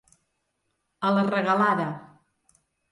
A la regalada.